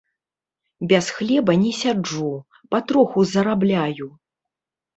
Без хлеба не сяджу, патроху зарабляю.